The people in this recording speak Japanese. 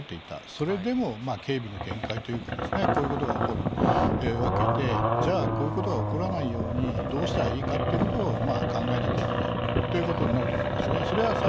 それでも警備の限界というかですね、こういうことが起こるわけで、じゃあこういうことが起こらないようにどうしたらいいかということを考えなきゃいけないということになると思いますね。